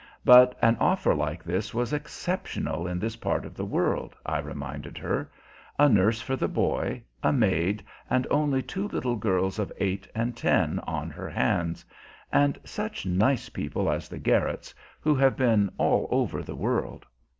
But an offer like this was exceptional in this part of the world, I reminded her. A nurse for the boy, a maid, and only two little girls of eight and ten on her hands; and such nice people as the Garretts, who have been all over the world!